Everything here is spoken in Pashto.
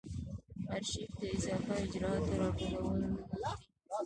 آرشیف د اضافه اجرااتو راټولول دي.